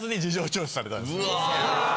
うわ。